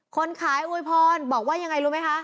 คนขายอวยพรบอกว่ายังไงรู้ไหมคะ